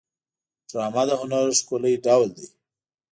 ډرامه د هنر ښکلی ډول دی